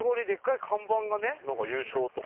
なんか「優勝」とか。